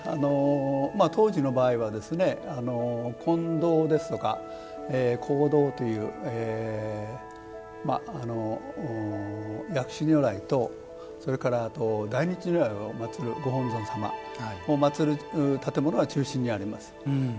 当時の場合は金堂ですとか講堂という薬師如来とそれから、あと大日如来を祭る御本尊様を祭る建物が中心にあります。